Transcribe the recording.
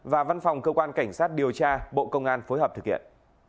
và văn phòng cơ quan cảnh sát điều tra bộ công an phối hợp thực hiện